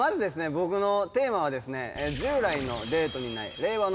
僕のテーマはですね。